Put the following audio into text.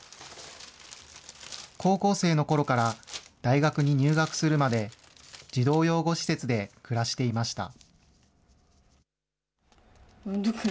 高校生のころから大学に入学するまで、児童養護施設で暮らしていました。